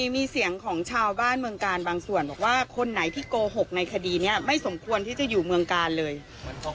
มีเสียงของชาวบ้านเมืองกาลบางส่วนบอกว่าคนไหนที่โกหกในคดีนี้ไม่สมควรที่จะอยู่เมืองกาลเลย